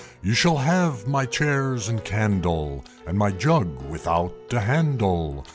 "You shall have my chairs and candle, And my jug without a handle!